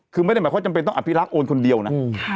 คือไม่ได้หมายความจำเป็นต้องอภิรักษ์โอนคนเดียวนะ